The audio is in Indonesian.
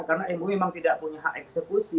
karena ibu memang tidak punya hak eksekusi